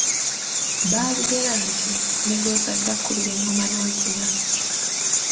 Baalugera nti; ne gw'ozadde akubira eŋŋoma n’ozina.